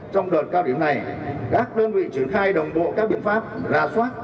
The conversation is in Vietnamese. trong đợt cao điểm này các đơn vị triển khai đồng bộ các biện pháp rà soát